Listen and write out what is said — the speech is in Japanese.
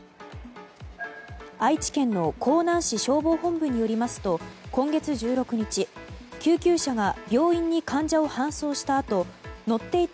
愛知県の江南市消防本部によりますと今月１６日、救急車が病院に患者を搬送した